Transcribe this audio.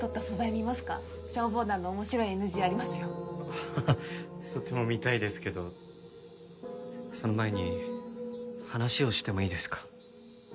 ハハハとても見たいですけどその前に話をしてもいいですか？